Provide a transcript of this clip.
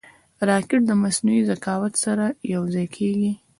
راکټ د مصنوعي ذکاوت سره یوځای کېږي